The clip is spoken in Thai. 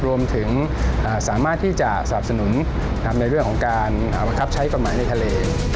รวมถึงสามารถที่จะสนับสนุนในเรื่องของการบังคับใช้กฎหมายในทะเล